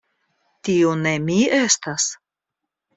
Tiu ne mi estas!